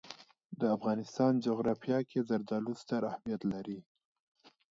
د افغانستان جغرافیه کې زردالو ستر اهمیت لري.